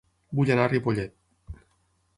Vull anar a Ripollet